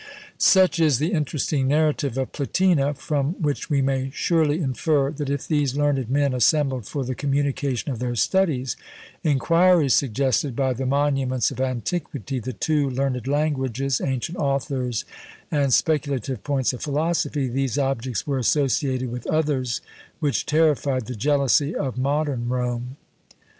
Such is the interesting narrative of Platina, from which we may surely infer, that if these learned men assembled for the communication of their studies inquiries suggested by the monuments of antiquity, the two learned languages, ancient authors, and speculative points of philosophy these objects were associated with others which terrified the jealousy of modern Rome.